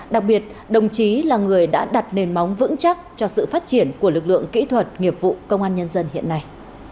đặc biệt đồng chí là người đã đặt nền móng vững chắc cho sự phát triển của lực lượng công an nhân dân việt nam